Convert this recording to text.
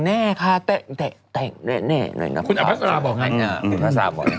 แน่น่ะคุณอภัสลาบบอกยังไง